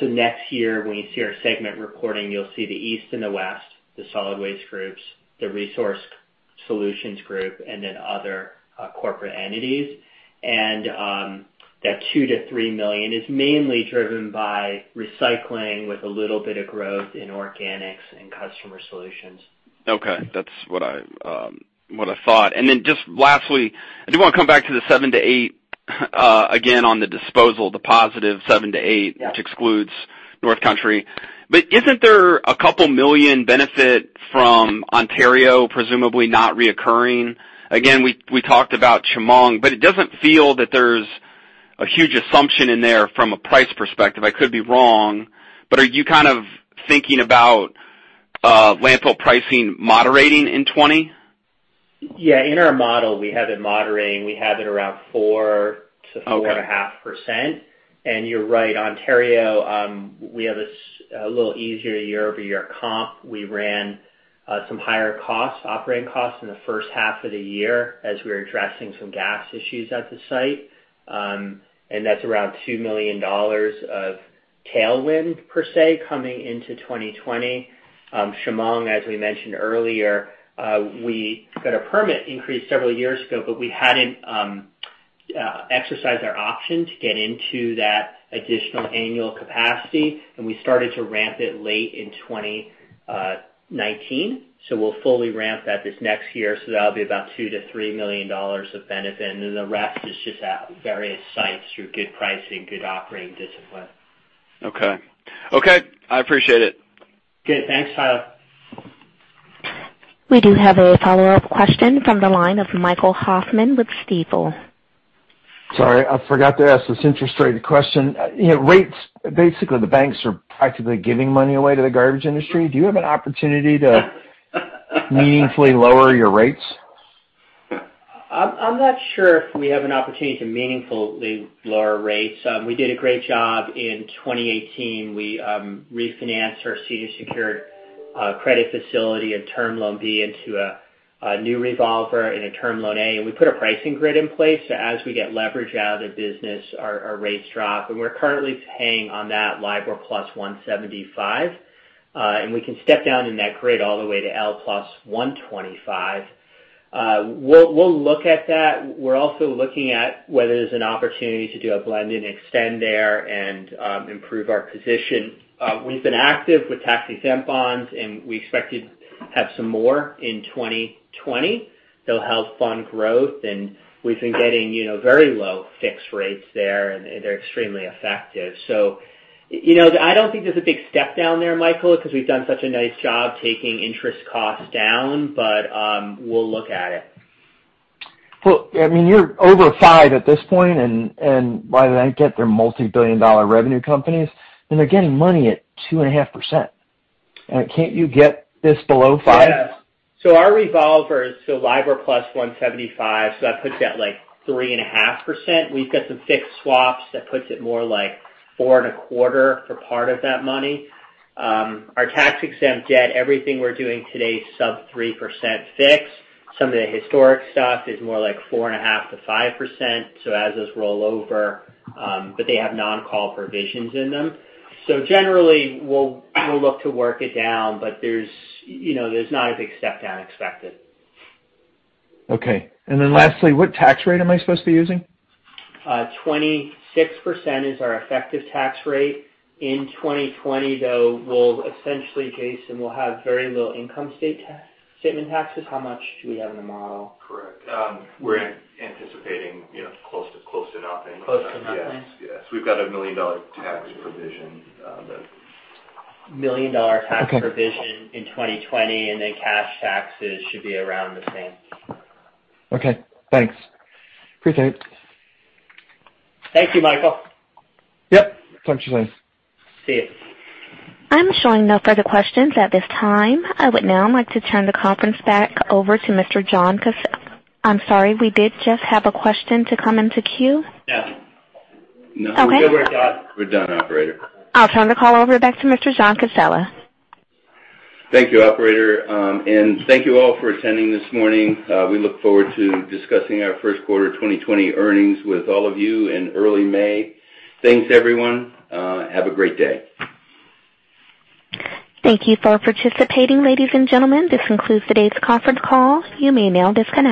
Next year, when you see our segment reporting, you'll see the East and the West, the solid waste groups, the resource solutions group, and then other corporate entities. That $2 million-$3 million is mainly driven by recycling with a little bit of growth in organics and customer solutions. Okay. That's what I thought. Just lastly, I do want to come back to the $7 million-$8 million again on the disposal, the positive $7 million-$8 million. Yeah which excludes North Country. Isn't there a couple million benefit from Ontario, presumably not reoccurring? Again, we talked about Shamong, but it doesn't feel that there's a huge assumption in there from a price perspective. I could be wrong, but are you kind of thinking about landfill pricing moderating in 2020? Yeah, in our model, we have it moderating. We have it around 4%-4.5%. You're right, Ontario, we have a little easier year-over-year comp. We ran some higher costs, operating costs, in the first half of the year as we were addressing some gas issues at the site. That's around $2 million of tailwind per se coming into 2020. Shamong, as we mentioned earlier, we got a permit increase several years ago, but we hadn't exercised our option to get into that additional annual capacity, and we started to ramp it late in 2019. We'll fully ramp that this next year. That'll be about $2 million-$3 million of benefit, and then the rest is just at various sites through good pricing, good operating discipline. Okay. I appreciate it. Good. Thanks, Tyler. We do have a follow-up question from the line of Michael Hoffman with Stifel. Sorry, I forgot to ask this interest rate question. Rates, basically the banks are practically giving money away to the garbage industry. Do you have an opportunity to meaningfully lower your rates? I'm not sure if we have an opportunity to meaningfully lower rates. We did a great job in 2018. We refinanced our senior secured credit facility and term loan B into a new revolver and a term loan A, and we put a pricing grid in place, so as we get leverage out of the business, our rates drop. We're currently paying on that LIBOR plus 175%, and we can step down in that grid all the way to L plus 125%. We'll look at that. We're also looking at whether there's an opportunity to do a blend and extend there and improve our position. We've been active with tax-exempt bonds, and we expect to have some more in 2020. They'll help fund growth, and we've been getting very low fixed rates there, and they're extremely effective. I don't think there's a big step down there, Michael, because we've done such a nice job taking interest costs down, but we'll look at it. Well, you're over 5% at this point. Right, they get their multi-billion dollar revenue companies. They're getting money at 2.5%. Can't you get this below 5%? Yeah. Our revolver is still LIBOR plus 175%, so that puts it at, like, 3.5%. We've got some fixed swaps that puts it more like 4.25% for part of that money. Our tax-exempt debt, everything we're doing today is sub 3% fixed. Some of the historic stuff is more like 4.5%-5%, so as is rollover, but they have non-call provisions in them. Generally, we'll look to work it down, but there's not a big step down expected. Okay. Then lastly, what tax rate am I supposed to be using? 26% is our effective tax rate. In 2020, though, we'll essentially face, and we'll have very little income statement taxes. How much do we have in the model? Correct. We're anticipating close to nothing. Close to nothing. Yes. We've got a million-dollar tax provision that- $1 million tax provision in 2020, cash taxes should be around the same. Okay. Thanks. Appreciate it. Thank you, Michael. Yep. Talk to you later. See you. I'm showing no further questions at this time. I would now like to turn the conference back over to Mr. John. I'm sorry, we did just have a question to come into queue. Yeah. No. We're good. We're done. We're done, operator. I'll turn the call over back to Mr. John Casella. Thank you, operator, and thank you all for attending this morning. We look forward to discussing our first quarter 2020 earnings with all of you in early May. Thanks, everyone. Have a great day. Thank you for participating, ladies and gentlemen. This concludes today's conference call. You may now disconnect.